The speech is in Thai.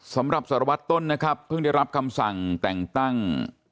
สำหรับสารวัตรต้นนะครับเพิ่งได้รับคำสั่งแต่งตั้ง